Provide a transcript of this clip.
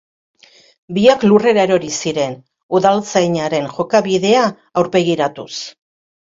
Biak lurrera erori ziren, udaltzainaren jokabidea aurpegiratuz.